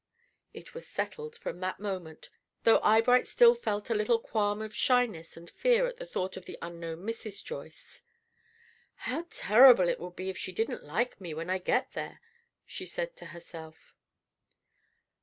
It was settled from that moment, though Eyebright still felt a little qualm of shyness and fear at the thought of the unknown Mrs. Joyce. "How horrible it would be if she didn't like me when I get there!" she said to herself.